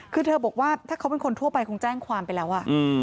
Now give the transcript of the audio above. คือเธอบอกว่าถ้าเขาเป็นคนทั่วไปคงแจ้งความไปแล้ว